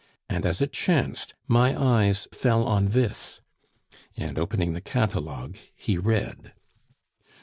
And as it chanced, my eyes fell on this " And opening the catalogue, he read: "No.